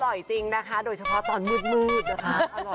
อร่อยจริงนะฮะโดยเฉพาะตอนมืดนะฮะ